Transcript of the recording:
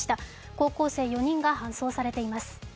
高校生４人が搬送されています。